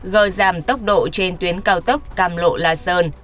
gờ giảm tốc độ trên tuyến cao tốc cam lộ la sơn